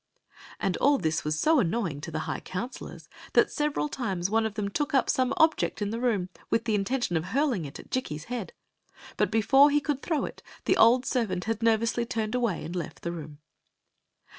" And all this was so annoying to the high counsel ors that several times one of them took up some object in the room with the intention of hurling it at Jikki's head; but before he could throw it the old servant had nervously turned away and left th^ room.